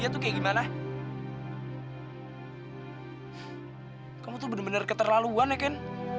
tapi gue heran sama lo ken